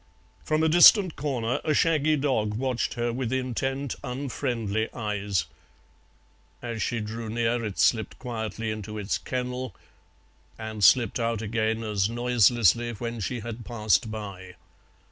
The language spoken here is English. From a distant corner a shaggy dog watched her with intent unfriendly eyes; as she drew near it slipped quietly into its kennel, and slipped out again as noiselessly when she had passed by.